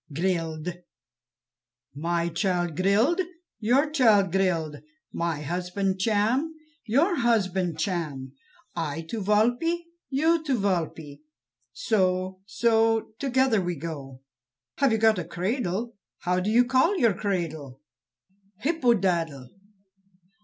"Grild." "My child Grild, your child Grild; my husband Cham, your husband Cham; I to Walpe, you to Walpe; so, so, together we go." "Have you got a cradle? How do you call your cradle?" "Hippodadle."